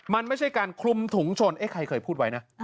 มันไม่ใช่การคลุมถุงชนใครเคยพูดไว้นะ